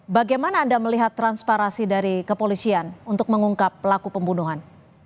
bagaimana anda melihat transparansi dari kepolisian untuk mengungkap pelaku pembunuhan